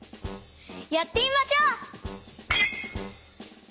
やってみましょう！